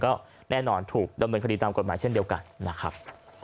ก็แน่นอนถูกดำเนินคดีตามกฎหมายเช่นเดียวกันนะครับ